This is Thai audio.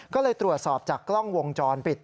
ก็เลยตรวจสอบจากกล้องวงจรปิด